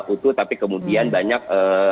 utuh tapi kemudian banyak